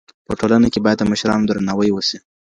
په ټولنه کي باید د مشرانو درناوی وسي.